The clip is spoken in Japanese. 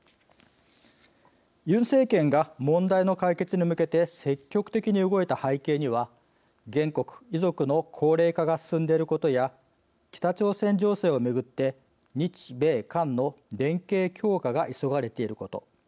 ユン政権が問題の解決に向けて積極的に動いた背景には原告、遺族の高齢化が進んでいることや北朝鮮情勢を巡って日米韓の連携強化が急がれていること。